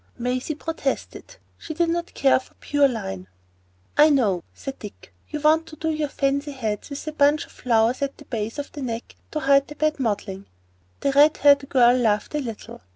Maisie protested; she did not care for the pure line. "I know," said Dick. "You want to do your fancy heads with a bunch of flowers at the base of the neck to hide bad modelling." The red haired girl laughed a little.